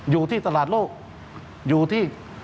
อยู่ที่ตลาดโลกอยู่ที่